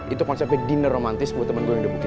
itu konsepnya dinner romantis buat temen gue yang udah bukit